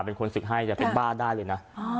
เป็นคนศึกให้แต่เป็นบ้าได้เลยนะ